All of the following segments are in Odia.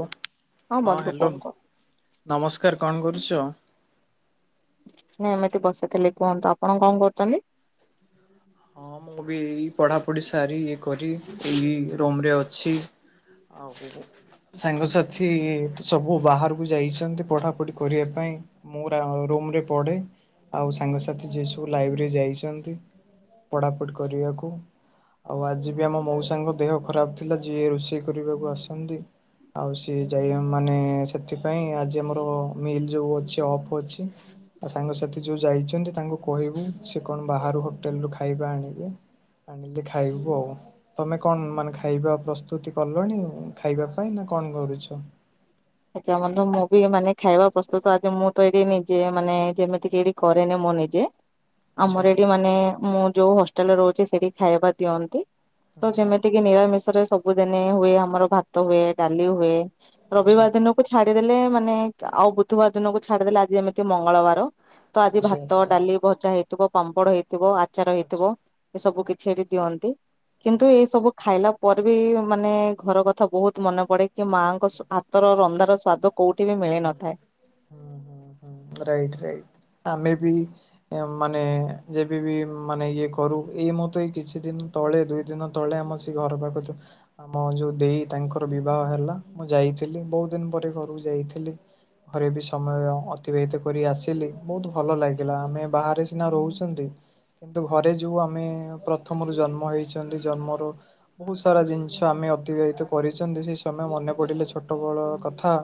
ହଁ ବନ୍ଧୁ ହ୍ୟାଲୋ। କୁହନ୍ତୁ ନମସ୍କାର। କଣ କରୁଛ? ନାଁ ଏମିତି ବସିଥିଲି। କୁହନ୍ତୁ ଆପଣ କଣ କରୁଛନ୍ତି? ହଁ ମୁଁ ବି ଏଇ ପଢ଼ାପଢି ସାରି ଇଏ କରି ଏଇ ରୁମରେ ଅଛି। ଆଉ ସାଙ୍ଗସାଥି ସବୁ ବାହାରୁକୁ ଯାଇଛନ୍ତି ପଢାପଢି କରିବା ପାଇଁ। ମୁଁ ରା ରୁମରେ ପଢେ। ଆଉ ସାଙ୍ଗସାଥି ଯିଏ ସବୁ ଲାଇବ୍ରେରୀ ଯାଇଛନ୍ତି। ପଢ଼ାପଢ଼ି କରିବାକୁ। ଆଉ ଆଜି ବି ଆମ ମଉସାଙ୍କ ଦେହ ଖରାପ ଥିଲା, ଯିଏ ରୋଷେଇ କରିବାକୁ ଆସନ୍ତି। ଆଉ ସିଏ ଯାଇ ମାନେ ସେଥିପାଇଁ ଆଜି ଆମର ମିଲ୍ ଯୋଉ ଅଛି ଅଫ୍ ଅଛି। ଆଉ ସାଙ୍ଗସାଥି ଯୋଉ ଯାଇଛନ୍ତି, ତାଙ୍କୁ କହିବୁ। ସେ କଣ ବାହାରୁ ହୋଟେଲରୁ ଖାଇବା ଆଣିବେ। ଆଣିିଲେ ଖାଇବୁ ଆଉ। ତମେ କଣ ମାନେ ଖାଇବା ପ୍ରସ୍ତୁତି କଲଣି ଖାଇବା ପାଇଁ ନା କଣ କରୁଛ? ଆଜ୍ଞା ବନ୍ଧୁ ମୁଁ ବି ମାନେ ଖାଇବା ପ୍ରସ୍ତୁତ ଆଜି ମୁଁ ତ ଏଇଠି ନିଜେ ମାନେ ଯେମିତି କି ଏଇଠି କରେନି ମୁଁ ନିଜେ। ଆଚ୍ଛା ଆମର ଏଠି ମାନେ ମୁଁ ଯୋଉ ହଷ୍ଟେଲରେ ରହୁଛି, ସେଠି ଖାଇବା ଦିଅନ୍ତି। ତ ଆଚ୍ଛା ଯେମିତି ନିରାମିଷରେ ସବୁଦିନେ ହୁଏ ଆମର ଭାତ ହୁଏ, ଡାଲି ହୁଏ। ଆଚ୍ଛା ରବିବାର ଦିନକୁ ଛାଡିଦେଲେ, ମାନେ ଆଉ ବୁଧବାର ଦିନକୁ ଛାଡିଦେଲେ ଆଜି ଏମିତି ମଙ୍ଗଳବାର ତ ଆଜି ଆଚ୍ଛା ଭାତ, ଆଚ୍ଛା ଡାଲି, ଭଜା ହେଇଥିବ, ପାମ୍ପଡ ହେଇଥିବ, ଆଚାର ହେଇଥିବ। ଆଚ୍ଛା ଏ ସବୁ କିଛି ଏଠି ଦିଅନ୍ତି। କିନ୍ତୁ ଆଚ୍ଛା। ଏଇ ସବୁ ଖାଇଲା ପରେ ବି ମାନେ ଘର କ ଥା ବହୁତ ମନେ ପଡେ କି, ମାଆଙ୍କ ହାତର ରନ୍ଧାର ସ୍ଵାଦ କୋଉଠି ବି ମିଳି ନଥାଏ। ହଁ ହଁ ହଁ ରାଇଟ୍ ରାଇଟ୍ ଆମେ ବି ଏ ମାନେ ଯେବେ ବି ମାନେ ଇଏ କରୁ, ଏଇ ମୁଁ ତ ଏଇ କିଛି ଦିନ ତଳେ ଦୁଇ ଦିନ ତଳେ ଆମ ସେ ଘର ପାଖକୁ ଆମ ଯୋଉ ଦେଇ ତାଙ୍କର ବିବାହ ହେଲା। ମୁଁ ଯାଇଥିଲି ବହୁତ ଦିନ ପରେ ଘରକୁ ଯାଇଥିଲି। ଘରେ ବି ସମୟ ଅତିବାହିତ କରି ଆସିଲି। ବହୁତ ଭଲ ଲାଗିଲା। ଆମେ ବାହାରେ ସିନା ରହୁଛନ୍ତି କିନ୍ତୁ ଘରେ ଯୋଉ ଆମେ ପ୍ରଥମରୁ ଜନ୍ମ ହେଇଛନ୍ତି ଜନ୍ମରୁ ବହୁତ ସାରା ଜିନିଷ ଆମେ ଅତିବାହିତ କରିଛନ୍ତି ସେଇ ସମୟ ମନେ ପଡିଲେ ଛୋଟ ବେଳ କଥା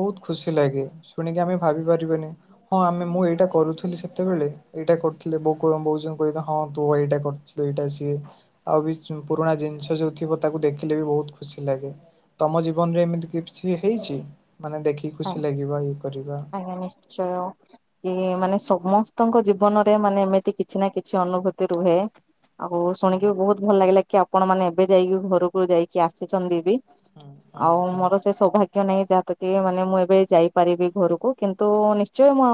ବହୁତ ଖୁସି ଲାଗେ ଶୁଣିକି ଆମେ ଭାବି ପାରିବାନି। ହଁ ଆମେ ମୁଁ ଏଇଟା କରୁଥିଲି ସେତେବେଳେ ଏଇଟା କରୁଥିଲେ ବୋଉ କ ବୋଉ ମଉସାଙ୍କୁ କହିଥା ହଁ ତୁ ଏଇଟା କରୁଛୁ। ଦୁଇଟା ସିଏ ଆଉ ବି ପୁରୁଣା ଜିନିଷ ଯୋଉ ଥିବ ତାକୁ ଦେଖିଲେ ବି ବହୁତ ଖୁସି ଲାଗେ ତମ ଜୀବନ ରେ ଏମିତି କିଛି ହେଇଛି ମାନେ ଦେଖ ହ ଆଜ୍ଞା ନିଶ୍ଚୟ। କି ମାନେ ସମସ୍ତଙ୍କ ଜୀବନରେ ମାନେ ଏମିତି କିଛି ନା କିଛି ଅନୁଭୂତି ରୁହେ। ଆଉ ହୁଁ ଶୁଣିକି ବି ବହୁତ ଭଲ ଲାଗିଲା କି ଆପଣ ମାନେ ଏବେ ଯାଇକି ଘରକୁ ଯାଇକି ଆସିଛନ୍ତି ବି। ହୁଁ ଆଉ ହୁଁ ମୋର ସେ ସୌଭାଗ୍ୟ ନାହିଁ ଯାହାକୁ କି ମାନେ ମୁଁ ଏବେ ଯାଇପାରିବି ଘରକୁ କିନ୍ତୁ ନିଶ୍ଚୟ ମୋ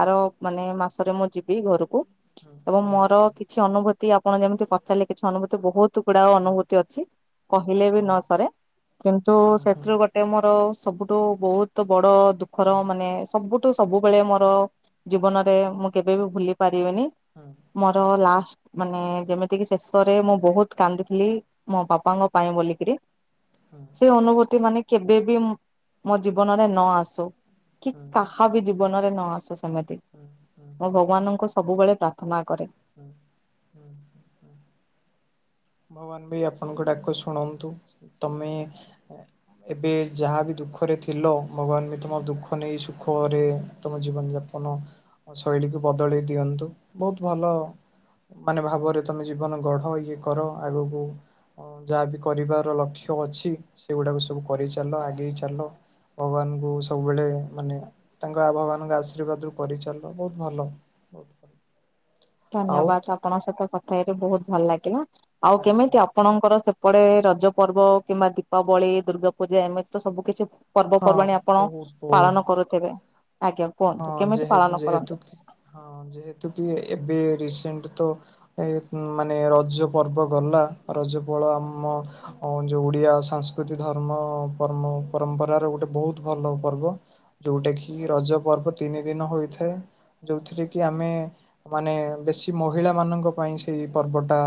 ଆର ମାନେ ମାସରେ ମୁଁ ଯିବି ଘରକୁ। ହୁଁ ଏବଂ ମୋର ହୁଁ କିଛି ଅନୁଭୂତି ଆପଣ ଯେମିତି ପଚାରିଲେ କିଛି ଅନୁଭୂତି ବହୁତ ତୁ ଗୁଡାଏ ଅନୁଭୂତି ଅଛି କହିଲେ ହୁଁ ବି ହୁଁ ନ ହୁଁ ସରେ କିନ୍ତୁ ହୁଁ ସେଥିରୁ ଗୋଟେ ମୋର ସବୁଠୁ ବହୁତ ବଡ ଦୁଃଖର ମାନେ ସବୁ ଠୁ ସବୁବେଳେ ମୋର ଜୀବନରେ ମୁଁ କେବେ ବି ଭୁଲି ପାରିବିନି। ହଁ। ମୋର ଲାଷ୍ଟ ମାନେ ଯେମିତିକି ଶେଷରେ ମୁଁ ବହୁତ କାନ୍ଦିଥିଲି। ମୋ ବାପାଙ୍କ ପାଇଁ ବୋଲିକିରି। ହଁ। ସେ ଅନୁଭୂତି ମାନେ କେବେ ବିି ମୋ ଜୀବନରେ ନ ଆସୁ କି କାହା ବି ଜୀବନରେ ନ ଆସୁ। ସେମିତି ମୁଁ ଭଗବାନଙ୍କୁ ସବୁବେଳେ ପ୍ରାର୍ଥନା କରେ। ହୁଁ ହୁଁ ହଁ। ଭଗବାନ ଭି ଆପଣଙ୍କ ଡାକ ଶୁଣନ୍ତୁ ତମେ [inaudible] ଏବେ ଯାହାବି ଦୁଃଖରେ ଥିଲ ଭଗବାନ ବି ତୁମ ଦୁଃଖ ନେଇ ସୁଖରେ ତୁମ ଜୀବନଯାପନ ଶୈଳୀକୁ ବଦଳେଇ ଦିଅନ୍ତୁ ବହୁତ ଭଲ ମାନେ ଭାବରେ ତମେ ଜୀବନ ଗଢ ଇଏ କର ଆଗକୁ ଆଉ ଯାହା ବିି କରିବାର ଲକ୍ଷ୍ୟ ଅଛି ସେଗୁଡାକୁ ସବୁ କରିଚାଲ ଆଗେଇ ଚାଲ। ଭଗବାନଙ୍କୁ ସବୁବେଳେ ମାନେ ତାଙ୍କ ଆଭା ଭଗବାନଙ୍କ ଆଶୀର୍ବାଦରୁୁ କରିଚାଲ ବହୁତ ଭଲ। ବହୁତ ଭଲ ଆଉ ଧନ୍ୟବାଦ ଆପଣଙ୍କ ସହିତ କଥା ହେଇକି ବହୁତ ଭଲ ଲାଗିଲା ଆଉ ଆଚ୍ଛା କେମିତି ଆପଣଙ୍କର ସେ ପଡେ ରଜ ପର୍ବ କିମ୍ବା ଦୀପାବଳି ଦୁର୍ଗାପୂଜା ଏମିତି ତ ସବୁ କିଛି ହଁ ପର୍ବପର୍ବାଣିୀ ଆପଣ ବହୁତ ବହୁତ ପାଳନ କରୁଥିବେ ଆଜ୍ଞା ହଁ କୁହନ୍ତୁ କେମିତି ଯେହେ ପାଳନ କରନ୍ତି? ଯେହେତୁ କି ହଁ ଯେହେତୁ ଟିକେ ଏବେ ରିସେଣ୍ଟ ତ। ଏଇ ମାନେ ରଜ ପର୍ବ ଗଲା ରଜ ପଳ ଆମ ଅ ଯୋଉ ଓଡିଆ ସଂସ୍କୃତି ଧର୍ମ ପରମ ପରମ୍ପରାର ଗୋଟେ ବହୁତ ଭଲ ପର୍ବ। ଯୋଉଟା କି ରଜ ପର୍ବ ତିନି ଦିନ ହୋଇଥାଏ ଯୋଉଥିରେ କି ଆମେ ମାନେ ବେଶୀ ମହିଳା ମାନଙ୍କ ପାଇଁ ସେଇ ପର୍ବ ଟା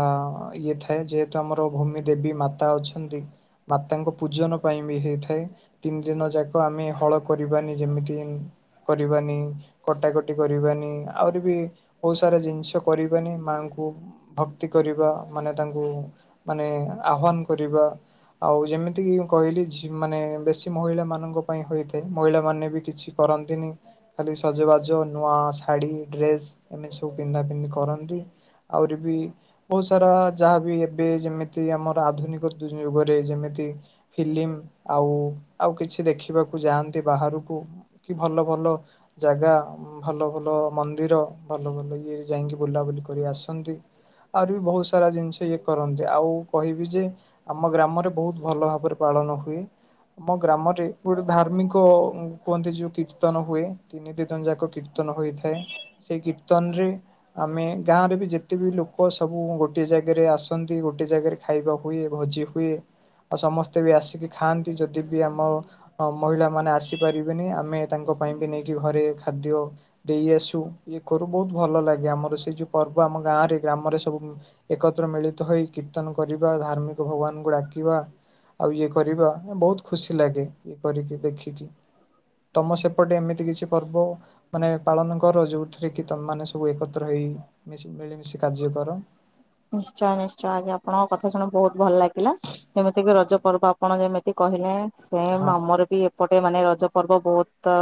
ଇଏ ଥାଏ ଯେହେ ତୁ ଆମର ଭୂମି ଦେବୀ ମାତା ଅଛନ୍ତି ମାତାଙ୍କ ପୂଜନ ପାଇଁ ବି ହେଇଥାଏ। ତିନି ଦିନ ଯାକ ଆମେ ହଳ କରିବାନି ଯେମିତି କରିବାନି କଟାକଟି କରିବାନି ଆହୁରି ବି ବହୁତ ସାରା ଜିନିଷ କରିବାନି ମାଆଙ୍କୁ ଭକ୍ତି କରିବା ମାନେ ତାଙ୍କୁ ମାନେ ଆହ୍ୱାନ କରିବା। ଆଉ ଯେମିତିକି କହିଲି ଝି ମାନେ ବେଶୀ ମହିଳା ମାନଙ୍କ ପାଇଁ ହୋଇଥାଏ ମହିଳାମାନେ ବି କିଛି କର ନ୍ତିନି ଖାଲି ସଜବାଜ ନୂଆ ଶାଢ଼ୀ ଡ୍ରେସ ଏମିତି ସବୁ ପିନ୍ଧା ପିନ୍ଧି କରନ୍ତି। ଆହୁରି ବି ବହୁତ ସାରା ଯାହାବି ଏବେ ଯେମିତି ଆମର ଆଧୁନିକ ଦୁ ଯୁଗରେ ଯେମିତି ଫିଲ୍ମ ଆଉ ଆଉ କିଛି ଦେଖିବାକୁ ଯାଆନ୍ତି ବାହାରକୁ। କି ଭଲ ଭଲ ଜାଗା ଭଲ ଭଲ ମନ୍ଦିର ଭଲ ଭଲ ଇଏ ଯାଇକି ବୁଲାବୁଲି କରି ଆସନ୍ତି ଆହୁରି ବି ବହୁତ ସାରା ଜିନିଷ ଇଏ କରନ୍ତି ଆଉ କହିବି ଯେ ଆମ ଗ୍ରାମରେ ବହୁତ ଭଲ ଭାବରେ ପାଳନ ହୁଏ। ଆମ ଗ୍ରାମରେ ଗୋଟେ ଧାର୍ମିକ କୁହନ୍ତି ଯୋଉ କୀର୍ତ୍ତନ ହୁଏ ତିନି ଦିନ ଯାକ କୀର୍ତ୍ତନ ହୋଇଥାଏ ସେଇ କୀର୍ତ୍ତନ ରେ ଆମେ ଗାଁ ରେ ବି ଯେତେ ବି ଲୋକ ସବୁ ଗୋଟେ ଜାଗାରେ ଆସନ୍ତି ଗୋଟେ ଜାଗାରେ। ଖାଇବା ହୁଏ ଭୋଜି ହୁଏ। ଆଉ ସମସ୍ତେ ବି ଆସିକି ଖାଆନ୍ତି ଯଦି ବି ଆମ ମହିଳା ମାନେ ଆସିପାରିବେନି ଆମେ ତାଙ୍କ ପାଇଁ ବି ନେଇକି ଘରେ ଖାଦ୍ୟ ଦେଇ ଆସୁ ଇଏ କରୁ ବହୁତ ଭଲ ଲାଗେ ଆମର ସେ ଯୋଉ ପର୍ବ ଆମ ଗାଁରେ ଗ୍ରାମରେ ସବୁ ଏକତ୍ର ମିଳିତ ହୋଇ କୀର୍ତ୍ତନ କରିବା ଧାର୍ମିକ ଭଗବାନଙ୍କୁ ଡାକିବା। ଆଉ ଇଏ କରିବା ବହୁତ ଖୁସି ଲାଗେ ଇଏ କରିକି ଦେଖିକି। [inaudible] ତମ ସେପଟେ ଏମିତି କିଛି ପର୍ବ ମାନେ ପାଳନ କର ଯୋଉଥିରେ କି ତମ ମାନେ ସବୁ ଏକତ୍ର ହେଇ ମିଶି ମିଳିମିଶି କାର୍ଯ୍ୟ କର? ନିଶ୍ଚୟ ନିଶ୍ଚୟ ଆଜ୍ଞା ଆପଣଙ୍କ କଥା ଶୁଣି ବହୁତ ଭଲ ଲାଗିଲା। ଯେମିତିକି ରଜ ପର୍ବ ଆପଣ ଯେମିତି କହିଲେ। ହଁ ସେମ ଆମର ବି ଏପଟେ ମାନେ ରଜ ପର୍ବ ବହୁତ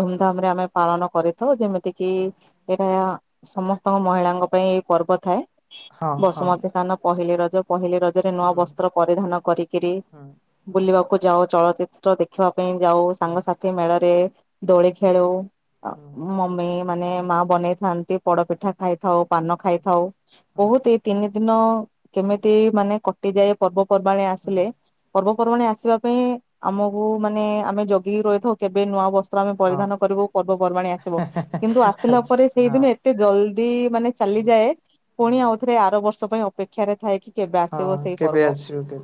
ଧୁମଧାମ ରେ ଆମେ ପାଳନ କରି ତ ଯେମିତି କିି ଏଇଟା ସମସ୍ତଙ୍କ ମହିଳାଙ୍କ ପାଇଁ ଏଇ ପର୍ବ ଥାଏ। ହଁ ହଁ ବସୁମତୀ ସ୍ଥାନ ପହିଲି ରଜ ପହିଲି ରଜ ରେ ନୂଆ ହୁଁ ବସ୍ତ୍ର ପରିଧାନ କରିକିରି ହୁଁ ବୁଲିବାକୁ ଯାଉ। ଚଳଚିତ୍ର ଦେଖ ଦେଖିବା ପାଇଁ ଯାଉ, ସାଙ୍ଗସାଥି ମେଳରେ ଦୋଳି ଖେଳୁ। ମେ ମାନେ ମା ବନେଇଥାନ୍ତି ପୋଡପିଠା ଖାଇଥାଉ, ପାନ ଖାଇଥାଉ। ବହୁତ ଏଇ ତିନି ଦିନ କେମିତି ମାନେ କଟିଯାଏ ପର୍ବପର୍ବାଣି ହୁଁ ଆସିଲେ। ପର୍ବପର୍ବାଣି ଆସିବା ପାଇଁ ଆମକୁ ମାନେ ଆମେ ଜଗିକି ରହିଥାଉ କେବେ ନୂଆ ବସ୍ତ ତ୍ର ଆମେ ହଁ ପରିଧାନ କରିବୁ ପର୍ବପର୍ବାଣଣି ଆସିବ? କିନ୍ତୁ ଆସିଲା ଆଚ୍ଛା ପରେ ହଁ ସେଇଦିନ ଏତେ ଜଲଦି ମାନେ ହୁଁ ଚାଲିଯାଏ। ପୁଣି ହୁଁ। ଆଉଥରେ ଆର ବର୍ଷ ପାଇଁ ଅପେକ୍ଷାରେ ଥାଏ କି କେବେ ଆସିବ ସେଇ ପର୍ବ।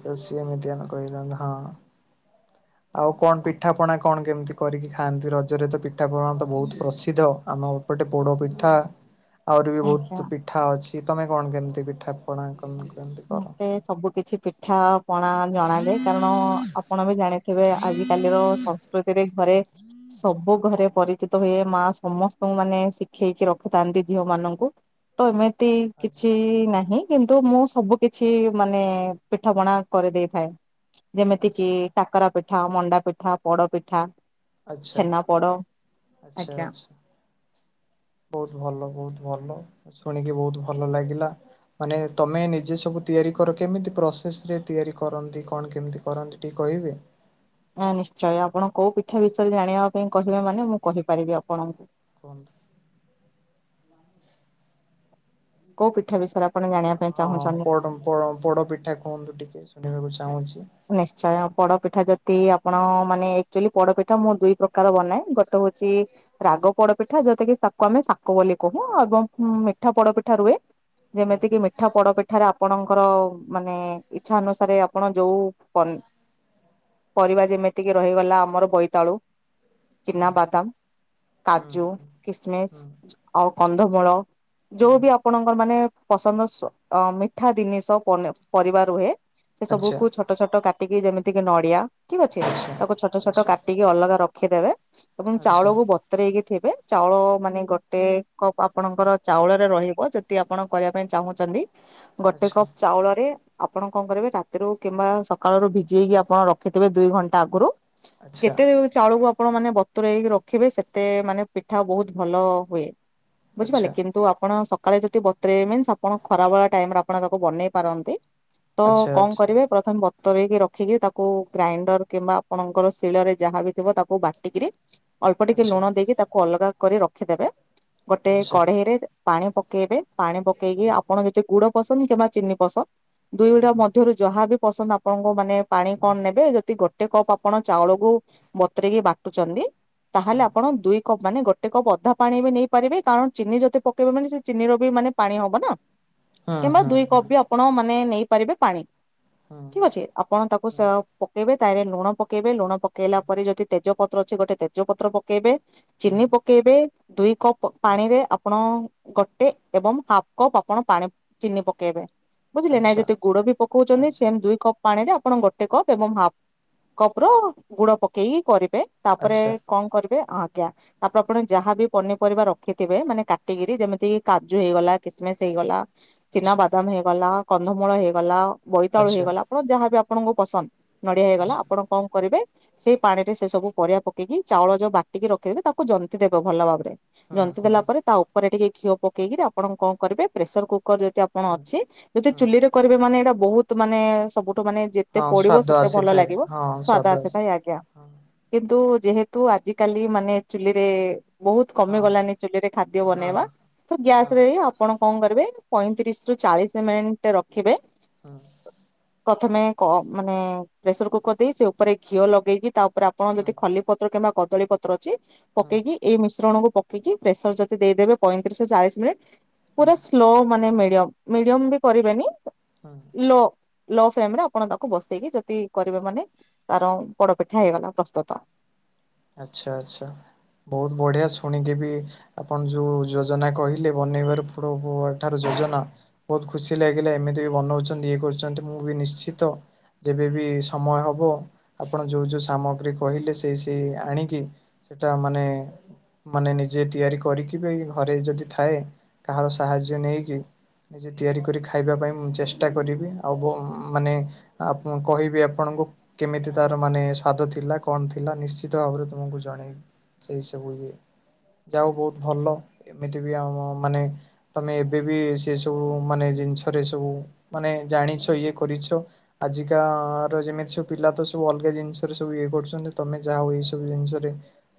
ତ ସେଏମିତି ଆମେ କହିଥାନ୍ତୁ ହଁ। ଆଉ କଣ ପିଠାପଣା କଣ କେମିତି କରିକି ଖାଆନ୍ତି? ରଜରେ ତ ପିଠାପଣା ତ ବହୁତ ପ୍ରସିଦ୍ଧ ଆମ ଏପଟେ ପୋଡ଼ପିଠା ଆହୁରି ବି ଆଜ୍ଞା। ବହୁତ ପିଠା ଅଛି ତମେ କଣ କେମିତି ପିଠା ପଣା କଣ କେମିତି? କର? ମତେ ସବୁ କିଛି ପିଠା ପଣା ଜଣାଯାଏ କାରଣ ଆପଣ ବି ଜାଣି ବେ ଆଜିକାଲିର ସଂସ୍କୃତିରେ ଘରେ ସବୁ ଘରେ ପରିଚିତ ହୁଏ, ମା ସମସ୍ତଙ୍କୁ ମାନେ ଶିଖେଇକି ରଖିଥାନ୍ତି ଝିଅ ମାନଙ୍କୁ। ତ ଏମିତି କିଛି ଆଚ୍ଛା ନାହିଁ କିନ୍ତୁ ମୁଁ ସବୁ କିଛି ମାନେ ପିଠ ପଣା କରିଦେଇଥାଏ। ଯେମିତି କିି ଆଚ୍ଛା କାକରା ପିଠା, ମଣ୍ଡା ପିଠା, ପୋଡ ପିଠା, ଆଚ୍ଛା ଛେନା ପୋଡ ଆଚ୍ଛା ଆଜ୍ଞା। ଆଚ୍ଛା। ବହୁତ ଭଲ ବହୁତ ଭଲ ଶୁଣିକି ବହୁତ ଭଲ ଲାଗିଲା। ମାନେ ତମେ ନିଜେ ସବୁ ତିଆରି କର କେମିତି ପ୍ରୋସେସ ରେ ତିଆରି କରନ୍ତି କଣ କେମିତି କରନ୍ତି? ଟିକେ କହିବେ? ଆଁ ନିଶ୍ଚୟ ଆପଣ କୋଉ ପିଠା ବିଷୟରେ ଜାଣିବା ପାଇଁ କହିବେ ମାନେ ମୁଁ କହିପାରିବି ଆପଣଙ୍କୁ? କୁହନ୍ତୁ? କୋଉ ପିଠା ବିଷୟରେ ଆପ ହଁ ପୋଡ ପୋଡ ପୋଡପିଠା କୁହନ୍ତୁ ଟିକେ ଶୁଣିବାକୁ ଚାହୁଁଛି? ନିଶ୍ଚୟ ପୋଡପିଠା ଯଦି ଆପଣ ମାନେ ଅକ୍ଚୁଆଲି ପୋଡପିଠା ମୁଁ ଦୁଇ ପ୍ରକାର ବନାଏ। ଗୋଟେ ହଉଛି ରାଗ ପୋଡପିଠା ଯୋତା କିି ତାକୁ ଆମେ ଶାକ ବୋଲି କହୁ ଏବଂ ମିଠା ପୋଡପିଠା ରୁହେ। ଯେମିତି କିି ମିଠା ପୋଡପିଠାରେ ଆପଣଙ୍କର ମାନେ ଇଛା ଅନୁସାରେ ଆପଣ ଯୋଉ ପନୀ ପରିବା ଯେମିତିକି ରହିଗଲା ଆମର ବୋଇତାଳୁ ହୁଁ ଚିନା ବାଦାମ, ହୁଁ କାଜୁ, ହୁଁ କିସମିସ, ହୁଁ ଆଉ କନ୍ଧମୂଳ। ଯୋଉ ହୁଁ ବି ଆପଣଙ୍କର ମାନେ ପସନ୍ଦ ସ ଆଁ ମିଠା ଜିନିଷ ପରିବା ରୁହେ। ସେ ଆଚ୍ଛା ସବୁକୁ ଛୋଟ ଛୋଟ କାଟିକି ଯେମିତି କିି ନଡିଆ ଠିକ ଅଛି। ଆଚ୍ଛା ତାକୁ ଛୋଟ ଛୋଟ କାଟିକି ଅଲଗା ରଖିଦେବେ ଏବଂ ଆଚ୍ଛା ଚାଉଳକୁ ବ ବତରେଇକି ଥିବେ ଚାଉଳ ମାନେ ଗୋଟେ କପ୍ ଆପଣଙ୍କର ଚାଉଳରେ ରହିବ। ଯଦି ଦି ଆପଣ କରିବା ପାଇଁ ଚାହୁଁଛନ୍ତି? ଗୋଟେ ଆଚ୍ଛା କପ୍ ଚାଉଳରେ ଆପଣ କଣ କରିବେ ରାତିରୁ କିମ୍ବା ସକାଳୁ ଭିଜେଇକି ଆପଣ ରଖିଥିବେ ଦୁଇ ଘଣ୍ଟା ଆଗରୁ। ଆଚ୍ଛା କେତେ ଚାଉଳକୁ ଆପଣ ମାନେ ବତରେଇକି ରଖିବେ ସେତେ ମାନେ ପିଠା ବହୁତ ଭଲ ହୁଏ। ବୁଝିପାରିଲେ ଆଚ୍ଛା କିନ୍ତୁ ଆପଣ ସକାଳେ ଯଦି ବତ୍ରେଇନ୍ ଆପଣ ଖରା ଭଳା ଟାଇମରେ ଆପଣ ତାକୁ ବନେଇ ପାରନ୍ତି। ତ ଆଚ୍ଛା କଣ ଆଚ୍ଛା କରିବେ? ପ୍ରଥମେ ବତରେଇକି ରଖିକି ତାକୁ ଗ୍ରାଇଣ୍ଡର କିମ୍ବା ଆପଣଙ୍କର ଶିଳରେ ଯାହା ବି ଥିବ ତାକୁ ବାଟିକିରି ଅଳ୍ପ ଟିକେ ଆଚ୍ଛା ଲୁଣ ଦେଇକି ତାକୁ ଅଲଗା କରି ରଖିଦେବେ ଗୋଟେ ଆଚ୍ଛା ଆଚ୍ଛା କଢେଇରେ। ପାଣି ପକେଇବେ ପାଣି ପକେଇକି ହୁଁ ଆପଣ ଯେତେ ଗୁଡ ପସନ୍ଦ କିମ୍ବା ଚିନି ପସନ୍ଦ ଦୁ ଗୁଡା ହୁଁ ମଧ୍ୟରୁ ଯାହାବି ପସନ୍ଦ ଆପଣଙ୍କ ମାନେ ପାଣି ହୁଁ କଣ ନେବେ ଯଦି ଗୋଟେ କପ୍ ଆପଣ ଚାଉଳକୁ ବତୁରେଇକି ବାଟୁଛନ୍ତି। ତାହେଲେ ହୁଁ ଆପଣ ଦୁଇ ପ୍ ମାନେ ଗୋଟେ କପ୍ ଅଧା ପାଣି ବି ନେଇପାରିବେ କାରଣ ଚିନି ଯଦି ପକେଇବେ ମାନେ ସେ ଚିନି ର ବି ମାନେ ପାଣି ହବ ନା। ହୁଁ କିମ୍ବା ହୁଁ ହୁଁ ଦୁଇ ହୁଁ କପ୍ ବି ଆପଣ ମାନେ ନେଇପାରିବେ ପାଣି। ହୁଁ ଠିକ୍ ଅଛି ଆପଣ ତାକୁ ହୁଁ ପକେଇବେ ତାହଲେ ଲୁଣ ପକେଇବେ ଲୁଣ ପକେଇଲା ପରେ ଯଦି ତେଜପତ୍ର ଅଛି ଗୋଟେ ତେଜପତ୍ର ପକେଇବେ। ହୁଁ ଚିନି ପକେଇବେ ଦୁଇ କପ୍ ପାଣିରେ ଆପଣ ଗୋଟେ ଏବଂ ହାଫ୍ କପ୍ ଆପଣ ପାଣି ଚିନି ପକେଇବେ। ବୁଝିଲେ ନାଇଁ ଆଚ୍ଛା ଯଦି ଗୁଡ ବି ପକଉଛନ୍ତି ଆଚ୍ଛା ସେମ ଦୁଇ କପ୍ ପାଣିରେ ଆପଣ ଗୋଟେ କପ୍ ଏବଂ ହାପ କପ ର ଗୁଡ ପକେଇକି କରିବେ। ତାପରେ ଆଚ୍ଛା କଣ କରିବେ ଆଜ୍ଞା। ତାପରେ ଆପଣ ଯାହାବି ପନିପରିବା ରଖିଥିବେ ମାନେ କାଟିକିରି ଯେମିତି କି କାଜୁ ହେଇଗଲା କିସ୍ ମିସ୍ ହେଇଗଲା। ଆଚ୍ଛା ଚିନାବାଦାମ ହେଇଗଲା କନ୍ଧମୂଳ ହେଇଗଲା ବୋଇତାଳୁ ଆଚ୍ଛା ହେଇଗଲା। ଆପଣ ଯାହାବି ଆପଣଙ୍କୁ ପସନ୍ଦ ନଡିଆ ହେଇଗଲା ଆଚ୍ଛା ଆପଣ କଣ କରିବେ ସେଇ ପାଣି ରେ ସେ ସବୁ ପରିବା ପକେଇକି ଚାଉଳ ଯୋଉ ବାଟିକି ରଖିଦେବେ ତାକୁ ଜନ୍ତି ଦେବେ ଭଲ ଭାବରେ। ହୁଁ ଜନ୍ତି ଦେଲା ହୁଁ ପରେ ତା ଉପରେ ଟିକେ ଘିଅ ପକେଇକିରି ଆପଣ କଣ କରିବେ ପ୍ରେସର କୁକର ଯଦି କଣ ହୁଁ ଅଛି ଯଦି ହୁଁ ଚୁଲିରେ କରିବେ ମାନେ ଏଇଟା ବହୁତ ମାନେ ସବୁଠୁ ମାନେ ଯେ ଯେତେ ହଁ ପୋଡିବ ସ୍ଵାଦ ସେତେ ଭଲ ଆସିଥାଏ ଲାଗିବ ହଁ ସ୍ଵାଦ ଆସି ଆସିଥାଏ ଆଜ୍ଞା। ହଁ କିନ୍ତୁ ଯେହେତୁ ଆଜିିକାଲି ମାନେ ଚୁଲିରେ ବହୁତ କମି ହଁ ଗଲାନି ଚୁଲିରେ ଖାଦ୍ୟ ବନେଇବା ହଁ ତ ହଁ ଗ୍ୟାସ ରେ ଆପଣ କଣ କରିବେ ପଇଁତିରିଶ ରୁ ଚାଳିଶ ମିନିଟ୍ ରଖିବେ। [inaudible] ପ୍ରଥମେ ମାନେ ପ୍ରେସର କୁକର ଦେଇ ସେ ଉପରେ ଘିଅ ଲଗେଇକି ତା ଉପରେ ଆପଣ ହଁ ଯଦି ଖଲି ପ ପତ୍ର କିମ୍ବା କଦଳୀ ପତ୍ର ଅଛି ହଁ ପକେଇକି ଏଇ ମିଶ୍ରଣକୁ ପକେଇକି ପ୍ରେସର ଯଦି ଦେଇଦେବେ ପଇଁତିରିଶରୁୁ ଚାଳିଶ ମିନିଟ୍ ହଁ ପୁରା ସ୍ଲୋ ମାନେ ମିଡିୟମ ମିଡିୟମ ବି କରିବେନି ହଁ ଲୋ ଲୋ ଫ୍ରେମ୍ ରେ ଆପଣ ତାକୁ ବସେଇକି ଯଦି କରିବେ ମାନେ ତାର ପୋଡ ପିଠା ହେଇଗଲା ପ୍ରସ୍ତୁତ। ଆଚ୍ଛା ଆଚ୍ଛା ବହୁତ ବଢିଆ ଶୁଣିକି ବି ଆପଣ ଯୋଉ ଯୋଜନା କହିଲେ ବନେଇବାର ଫୋଡ ଠାରୁ ଯୋଜନା ବହୁତ ଖୁସି ଲାଗିଲା ଏମିତି ବି ବନଉଛନ୍ତି ଇଏ କରୁଛନ୍ତି ମୁଁ ବି ନିଶ୍ଚିତ ଯେବେବି ସମୟ ହବ ଆପଣ ଯୋଉ ଯୋଉ ସାମଗ୍ରୀ କହିଲେ ସେଇ ସେ ସେ ଆଣିକି ସେଇଟା ମାନେ ମାନେ ନିଜେ ତିଆରି କରିକି ବି ଘରେ ଯଦି ଥାଏ କାହାର ସାହାଯ୍ୟ ନେଇକି ନିଜେ ତିଆରି କରି ଖାଇବା ପାଇଁ ମୁଁ ଚେଷ୍ଟା କରିବି ଆଉ ବ ମାନେ ଆପ କହିବି ଆପଣଙ୍କୁ କେମିତି ତାର ମାନେ ସ୍ଵାଦ ଥିଲା କଣ ଥିଲା ନିଶ୍ଚିତ ନିଶ୍ଚିତ ଭାବରେ ତୁମକୁ ଜଣେଇବି ସେଇ ସବୁ ଇଏ ଯାଉ ବହୁତ ଭଲ ଏମିତି ବି ଆମ ମାନେ ତମେ ଏବେ ବି ସେ ସବୁ ମାନେ ଜିନିଷରେ ସବୁ ମାନେ ଜାଣିଛ ଇଏ କରିଛ। ଆଜିକା ର ଯେମିତି ସବୁ ପିଲା ତ ସବୁ ଅଲଗା ଜିନିଷରେ ସବୁ ଇଏ କରୁଛନ୍ତି ତମେ। ଯାହା ହଉ ଏଇ ସବୁ ଜିନିଷରେ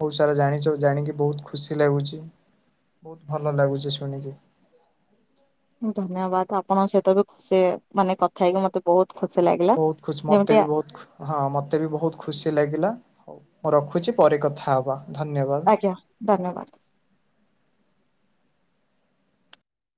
ବହୁତ ସାରା ଜାଣିଛ ଜାଣିକି ବହୁତ ଖୁସି ଲାଗୁଛି। ବହୁତ ଭଲ ଲାଗୁଛି ଶୁଣିକି। ଧନ୍ୟବାଦ ଆପଣଙ୍କ ସହିତ ବି ଖୁସି ମାନେ କ ହେଇକି ମତେ ବହୁତ ଖୁସି ଲାଗିଲା ବହୁତ ଖୁସି ମତେ ଯେମିତି। ବି ବହୁତ ହଁ ମତେ ବି ବହୁତ ଖୁସି ଲାଗିଲା ହଉ ମୁଁ ରଖୁଛି ପରେ କଥା ହବା ଧନ୍ୟବାଦ। ଆଜ୍ଞା ଧନ୍ୟବାଦ।